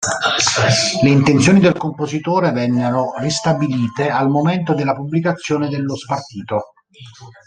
Le intenzioni del compositore vennero ristabilite al momento della pubblicazione dello spartito.